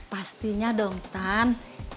pastinya dong tan